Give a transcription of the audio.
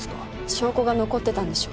証拠が残ってたんでしょ？